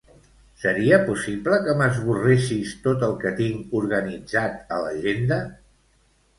Seria possible que m'esborressis tot el que tinc organitzat a l'agenda?